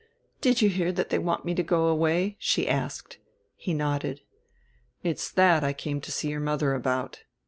"Did you hear that they want me to go away?" she asked. He nodded, "It's that I came to see your mother about."